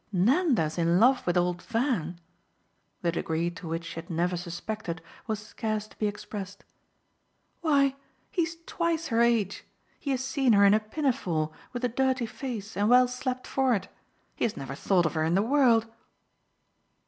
"Nanda's in love with old Van?" the degree to which she had never suspected was scarce to be expressed. "Why he's twice her age he has seen her in a pinafore with a dirty face and well slapped for it: he has never thought of her in the world."